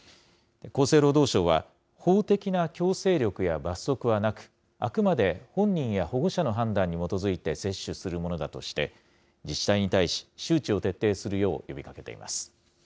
厚生労働省は、法的な強制力や罰則はなく、あくまで本人や保護者の判断に基づいて接種するものだとして、自治体に対し、周知を徹底するよう呼びかけています。